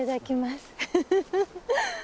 フフフフ。